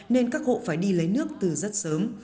nên các hộ phải đi lấy nước từ rất sớm